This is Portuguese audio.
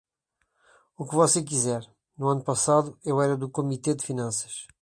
O que você quiser, no ano passado eu era do Comitê de Finanças.